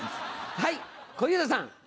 はい小遊三さん。